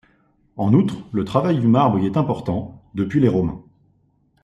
En outre, le travail du marbre y est important, depuis les romains.